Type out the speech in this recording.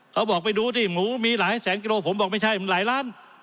เขาบอกไปดูสิหมูมีหลายแสนกิโลผมบอกไม่ใช่มันหลายล้าน